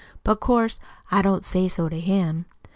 But 'course I don't say so to him.